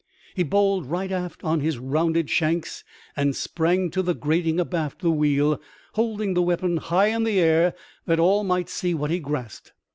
He bowled right aft on his rounded shanks, and sprang to the grating abaft the wheel, holding the weapon high in the air that all might see what he grasped.